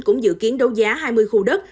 cũng dự kiến đấu giá hai mươi khu đất